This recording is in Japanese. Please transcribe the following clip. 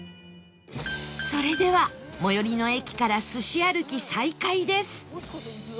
それでは最寄りの駅からすし歩き再開です